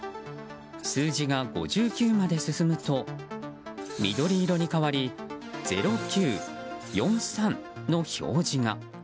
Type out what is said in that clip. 数字が５９まで進むと緑色に変わり「０９」「４３」の表示が。